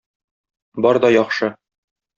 Бар да яхшы.